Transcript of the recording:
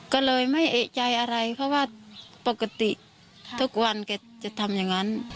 ก็เลยไม่เอกใจอะไรเพราะว่าปกติทุกวันแกจะทำอย่างนั้น